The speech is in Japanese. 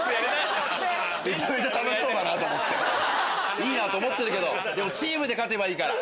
いいな！と思ってるけどチームで勝てばいいから！